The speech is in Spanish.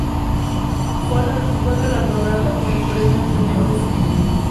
Fue galardonada con el Premio Ateneo de Sevilla.